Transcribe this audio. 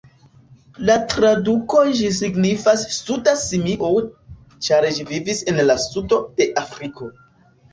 En traduko ĝi signifas "suda simio", ĉar ĝi vivis en la sudo de Afriko.